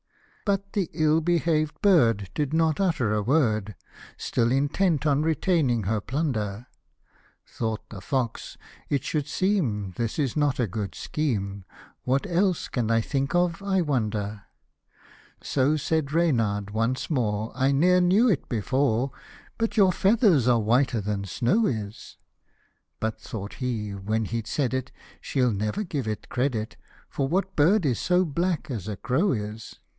But the ill behaved bird did not utter a word, Still intent on retaining her plunder ; Thought the fox, " it should seem this is not a good scheme, What else can I think of, I wonder ?" So said Reynard, once more, " I ne'er knew it before, But your feathers are whiter than snow is !" But thought he, when he'd said it, *' she'll ne'er give it credit, For what bird is so black as a crow is."